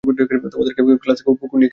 তোমাদের কেউ কি ক্লাসে কুকুর নিয়ে খেলেছে?